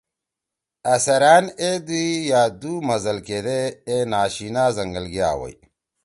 أ سیرأن اے دی یا دُو مزل کیدے اے ناشیِنا زنگل گے آویئی۔